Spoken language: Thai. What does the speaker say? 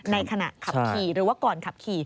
ในขณะขับขี่หรือว่าก่อนขับขี่